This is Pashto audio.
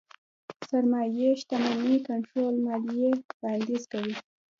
سرمايې شتمنۍ کنټرول ماليې وړانديز کوي.